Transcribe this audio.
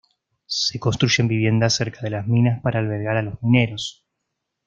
Se construyen viviendas cerca de las minas para albergar a los mineros.